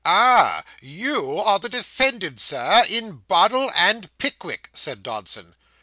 'Ah! You are the defendant, Sir, in Bardell and Pickwick?' said Dodson.